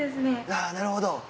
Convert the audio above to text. なるほど。